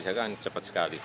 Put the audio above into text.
saya kira cepat sekali